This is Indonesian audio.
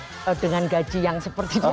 susah cari job dengan gaji yang seperti dia amerika